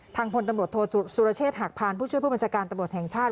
พลตำรวจโทษสุรเชษฐหักพานผู้ช่วยผู้บัญชาการตำรวจแห่งชาติ